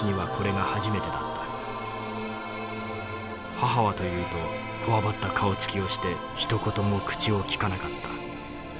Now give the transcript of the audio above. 母はというとこわばった顔つきをしてひと言も口をきかなかった。